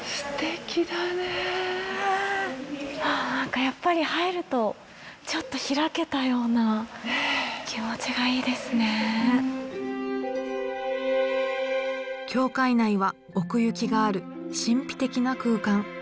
何かやっぱり入るとちょっと開けたような教会内は奥行きがある神秘的な空間。